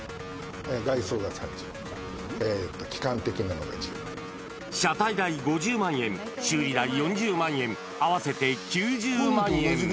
外装が３０万、車体代５０万円、修理代４０万円、合わせて９０万円。